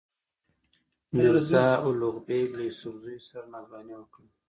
میرزا الغ بېګ له یوسفزیو سره ناځواني وکړه.